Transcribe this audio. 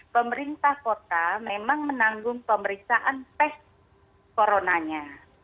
pemerintah kota memang menanggung pemeriksaan tes coronanya